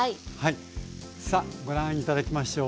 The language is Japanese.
さあご覧頂きましょう。